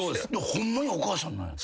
ホンマにお母さんなんや。